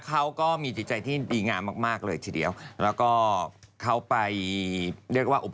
เขาก็มีใจที่ดีงามมากเลยชีวิตเดียว